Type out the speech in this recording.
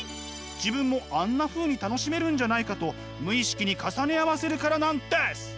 自分もあんなふうに楽しめるんじゃないかと無意識に重ね合わせるからなんです！